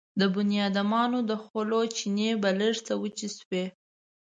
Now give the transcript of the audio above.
د بنيادمانو د خولو چينې به لږ څه وچې شوې.